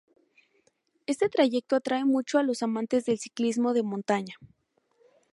Este trayecto atrae mucho a los amantes del ciclismo de montaña.